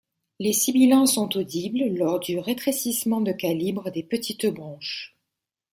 Les sibilants sont audibles lors du rétrécissement de calibres des petites bronches.